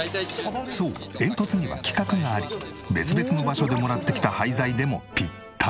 そう煙突には規格があり別々の場所でもらってきた廃材でもピッタリ。